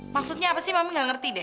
maksudnya apa sih mami gak ngerti deh